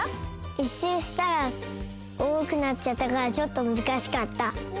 １しゅうしたらおおくなっちゃったからちょっとむずかしかった。